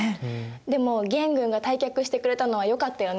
でも元軍が退却してくれたのはよかったよね。